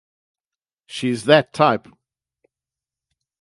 She's that type.